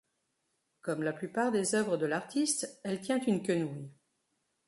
Comme la plupart des œuvres de l'artiste, elle tient une quenouille.